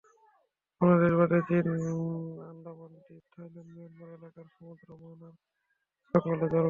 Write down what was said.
বাংলাদেশ বাদে চীন, আন্দামান দ্বীপ, থ্যাইল্যান্ড, মিয়ানমার এলাকার সমুদ্র মোহনার জঙ্গলে জন্মে।